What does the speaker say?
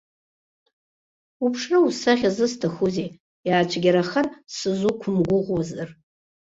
Уԥшра-усахьа зысҭахузеи, иаацәгьарахар сызуқәымгәыӷуазар.